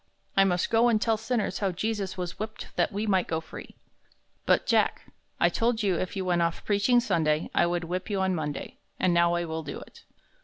I must go and tell sinners how Jesus was whipped that we might go free." "But, Jack, I told you that if you went off preaching Sunday, I should whip you on Monday, and now I will do it."